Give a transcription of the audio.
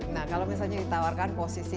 nah kalau misalnya ditawarkan posisi